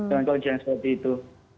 dan kondisi yang seperti itu